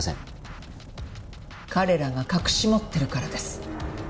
彼らが隠し持ってるからです。